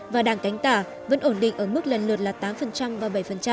và đảng cánh tả vẫn ổn định ở mức lần lượt là tám và bảy